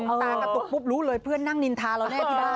ตากระตุกปุ๊บรู้เลยเพื่อนนั่งนินทาเราแน่ที่บ้าน